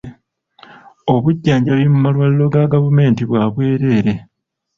Obujjanjabi mu malwaliro ga gavumenti bwa bwereere.